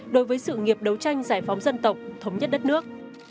đối với sự nghiệp đấu tranh giải phóng dân tộc thống nhất đất nước